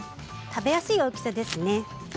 食べやすい大きさですね。